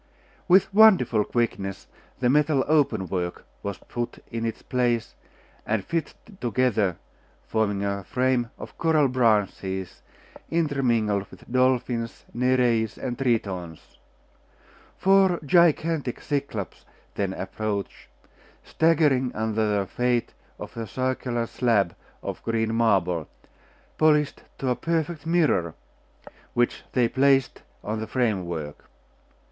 With wonderful quickness the metal open work was put in its place, and fitted together, forming a frame of coral branches intermingled with dolphins, Nereids, and Tritons. Four gigantic Cyclops then approached, staggering under the weight of a circular slab of green marble, polished to a perfect mirror, which they placed on the framework.